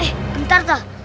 eh bentar toh